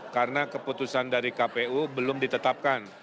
karena keputusan dari kpu belum ditetapkan